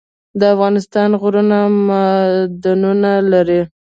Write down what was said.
د افغانستان غرونه معدنونه لري